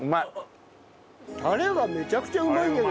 タレがめちゃくちゃうまいんだけど。